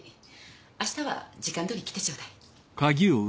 明日は時間どおり来てちょうだい。